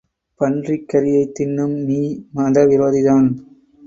பன்றிக் கறியைத் தின்னும் நீ மத விரோதிதான்.